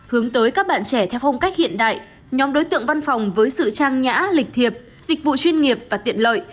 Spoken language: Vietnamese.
hướng tới các bạn trẻ theo phong cách hiện đại nhóm đối tượng văn phòng với sự trang nhã lịch thiệp dịch vụ chuyên nghiệp và tiện lợi